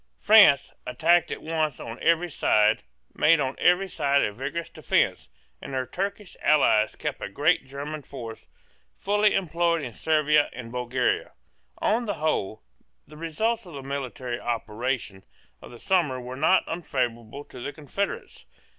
France, attacked at once on every side, made on every side a vigorous defence; and her Turkish allies kept a great German force fully employed in Servia and Bulgaria. On the whole, the results of the military operations of the summer were not unfavourable to the confederates.